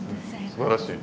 すばらしい。